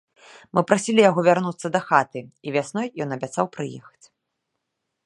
Мы прасілі яго вярнуцца дахаты, і вясной ён абяцаў прыехаць.